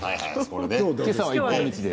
今日は一本道で。